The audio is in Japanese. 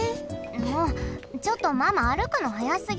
もうちょっとママ歩くの速すぎ。